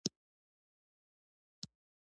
په پسرلي کې د وطن ټول دښتونه شنه شول.